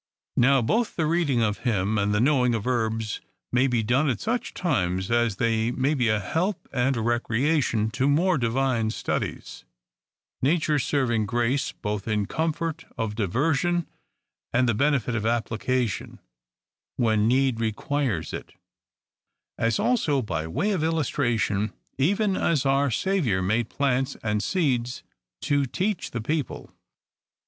Now both the reading of him and the knowing of herbs may be done at such times, as they may be a help and a recreation to more divine studies, nature serving grace both in comfort of diversion, and the benefit of applica tion when need requires it ; as also by way of illustra tion, even as our Saviour made plants and seeds to teach the people.